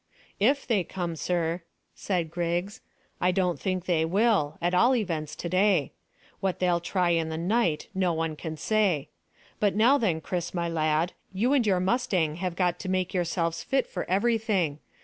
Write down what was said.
"If they come, sir," said Griggs. "I don't think they will at all events to day. What they'll try in the night no one can say. But now then, Chris, my lad, you and your mustang have got to make yourselves fit for everything.